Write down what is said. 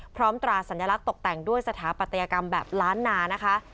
ตราสัญลักษณ์ตกแต่งด้วยสถาปัตยกรรมแบบล้านนานะคะ